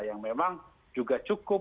yang memang juga cukup